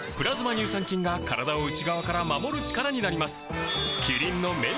乳酸菌が体を内側から守る力になります